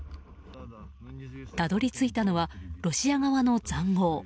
たどり着いたのはロシア側の塹壕。